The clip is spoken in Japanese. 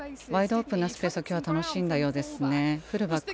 ワイドオープンなスペースを楽しんだようですね。